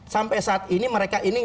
sampai saat ini mereka ini